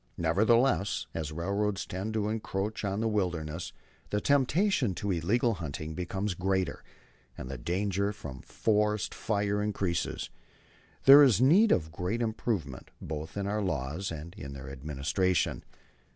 Nevertheless, as railroads tend to encroach on the wilderness, the temptation to illegal hunting becomes greater, and the danger from forest fires increases. There is need of great improvement both in our laws and in their administration.